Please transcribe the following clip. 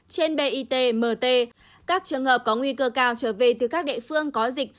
trên bit mt các trường hợp có nguy cơ cao trở về từ các địa phương có dịch